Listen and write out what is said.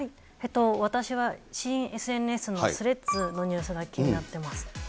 私は新ＳＮＳのスレッズのニュースが気になってます。